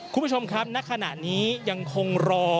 คุณผู้ชมครับณขณะนี้ยังคงรอ